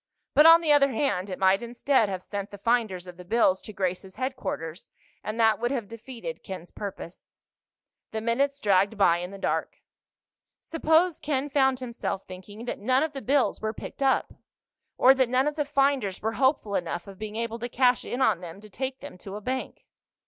But, on the other hand, it might instead have sent the finders of the bills to Grace's headquarters, and that would have defeated Ken's purpose. The minutes dragged by in the dark. Suppose, Ken found himself thinking, that none of the bills were picked up? Or that none of the finders were hopeful enough of being able to cash in on them to take them to a bank?